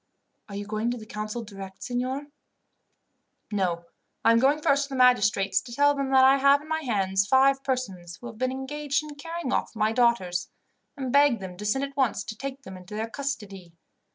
"Are you going to the council direct, signor?" "No. I am going first to the magistrates, to tell them that I have in my hands five persons, who have been engaged in carrying off my daughters, and beg them to send at once to take them into their custody.